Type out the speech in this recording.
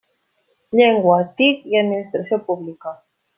Llengua, TIC i administració pública.